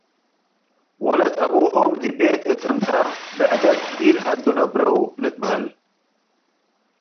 ወለት አቡሆም ዲብ ቤት እት እንተ ብዕደት ኢልሀዱ ነብረው ልትበሀል ።